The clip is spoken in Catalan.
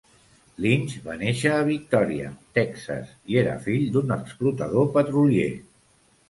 Lynch va néixer a Victoria, Texas, i era fill d'un explotador petrolier.